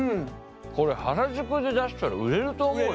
これ原宿で出したら売れると思うよ。